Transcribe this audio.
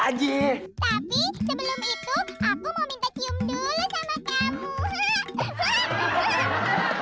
aduh tapi sebelum itu aku mau minta cium dulu sama kamu